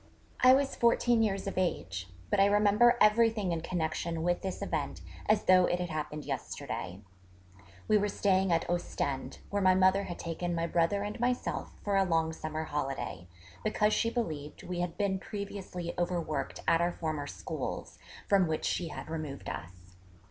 I was fourteen years of age: but I remember everything in connection with this event as though it had happened yesterday. We were staying at Ostend, where my mother had taken my brother and myself for a long summer holiday, because she believed we had been previously overworked at our former schools, from which she had removed us.